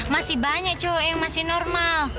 masih banyak coba yang masih normal